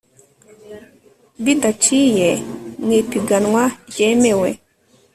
bidaciye mu ipiganwa ryemewe